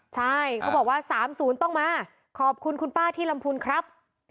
ใช่เขาบอกว่า๓๐ต้องมาขอบคุณคุณป้าที่ลำพูนครับ